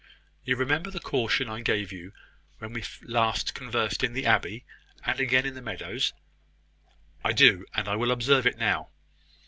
You remember the caution I gave you when we last conversed in the abbey, and again in the meadows." "I do; and I will observe it now."